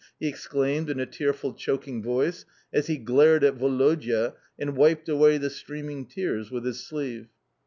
he exclaimed in a tearful choking voice as he glared at Woloda and wiped away the streaming tears with his sleeve.